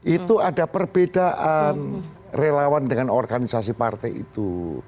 itu ada perbedaan relawan dengan organisasi partai itu